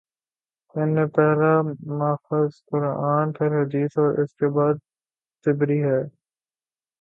ان میں پہلا ماخذ قرآن، پھر حدیث اور اس کے بعد طبری ہیں۔